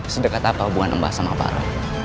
sedekat apa hubungan mbah sama para